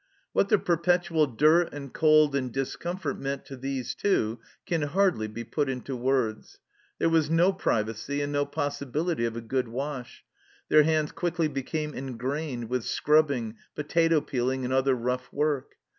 What the perpetual dirt and cold and discomfort meant to these Two can hardly be put into words. There was no privacy and no possibility of a good wash : their hands quickly became engrained with scrubbing, potato peeling, and other rough work.